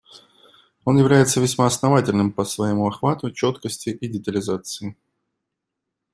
Он является весьма основательным по своему охвату, четкости и детализации.